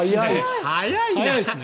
早いですね。